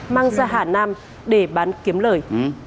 mang ra hà nam để bán kiếm lời